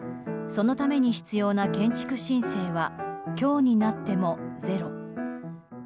しかしそのために必要な建築申請は今日になってもゼロ。